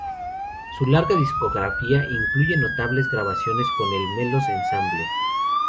Su larga discografía incluye notables grabaciones con el Melos Ensemble.